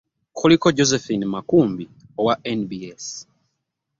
Kuliko Josephine Makumbi owa NBS